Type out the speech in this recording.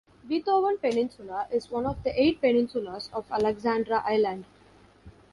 Beethoven Peninsula is one of the eight peninsulas of Alexander Island.